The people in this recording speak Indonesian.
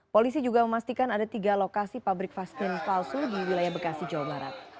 polisi juga memastikan ada tiga lokasi pabrik vaksin palsu di wilayah bekasi jawa barat